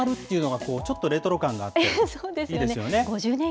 回るっていうのが、ちょっとレトロ感があっていいですよね。